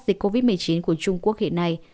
dịch covid một mươi chín của trung quốc hiện nay